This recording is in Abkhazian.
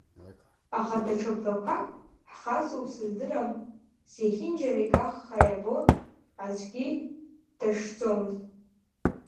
Аха даҽа блақәак ҳхазу сыздырам зехьынџьара икаххаа иабон, аӡәгьы дашш-ӡомызт.